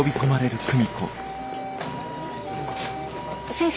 先生？